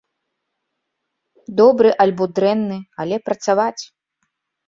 Добры альбо дрэнны, але працаваць.